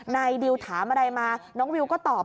ดิวถามอะไรมาน้องวิวก็ตอบ